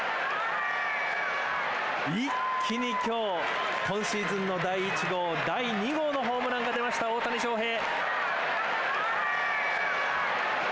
一気に今日今シーズンの第１号第２号のホームランが出ました大谷翔平。